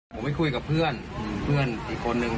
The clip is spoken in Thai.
ผมไม่คุยกับเพื่อนอีกคนนึง